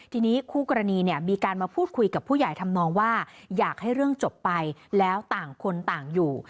ทีนี้คู่กรณีเนี่ยมีการมาพูดคุยกับผู้ใหญ่ทำนองว่าอยากให้เรื่องจบไปแล้วต่างคนต่างอยู่